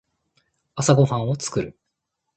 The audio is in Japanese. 朝ごはんを作る。